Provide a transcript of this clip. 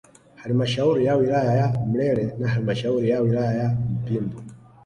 Halmashauri ya wilaya ya Mlele na halmashauri ya wilaya ya Mpimbwe